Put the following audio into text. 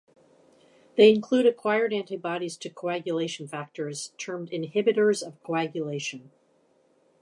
They include acquired antibodies to coagulation factors, termed inhibitors of coagulation.